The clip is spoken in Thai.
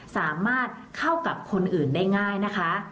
สามารถเข้ากับคนอื่นได้ง่ายนะคะ